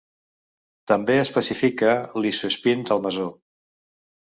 També especifica l'isoespín del mesó.